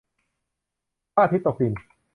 พระอาทิตย์ตกดิน